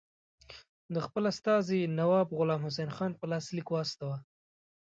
د خپل استازي نواب غلام حسین خان په لاس لیک واستاوه.